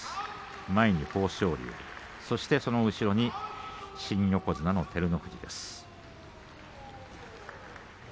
前に豊昇龍、そしてその後ろに新横綱の照ノ富士です。